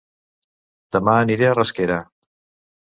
Dema aniré a Rasquera